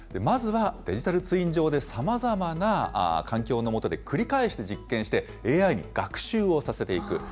まずはデジタルツイン上で、さまざまな環境の下で繰り返して実験して、ＡＩに学習をさせていく。